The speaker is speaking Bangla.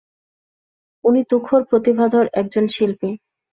উনি তুখোড় প্রতিভাধর একজন শিল্পী।